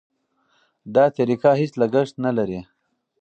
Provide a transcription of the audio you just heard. دا طریقه هېڅ لګښت نه لري.